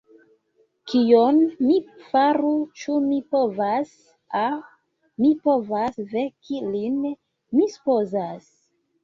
Kion mi faru, ĉu mi povas... ah, mi povas veki lin, mi supozas.